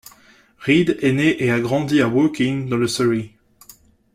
Reed est né et a grandi à Woking, dans le Surrey.